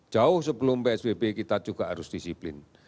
jauh sebelum psbb kita juga harus disiplin